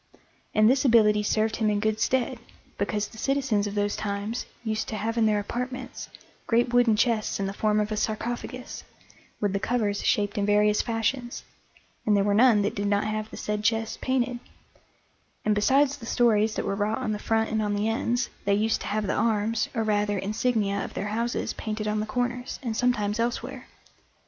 And this ability served him in good stead, because the citizens of those times used to have in their apartments great wooden chests in the form of a sarcophagus, with the covers shaped in various fashions, and there were none that did not have the said chests painted; and besides the stories that were wrought on the front and on the ends, they used to have the arms, or rather, insignia of their houses painted on the corners, and sometimes elsewhere.